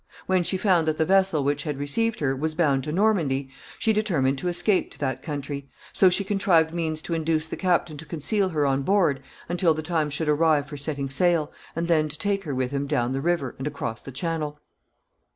When she found that the vessel which had received her was bound to Normandy, she determined to escape to that country; so she contrived means to induce the captain to conceal her on board until the time should arrive for setting sail, and then to take her with him down the river and across the Channel.